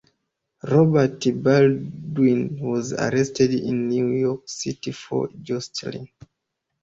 Robert Baldwin was arrested in New York City for "jostling".